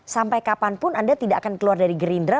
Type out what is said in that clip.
sampai kapanpun anda tidak akan keluar dari gerindra